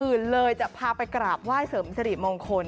อื่นเลยจะพาไปกราบไห้เสริมสิริมงคล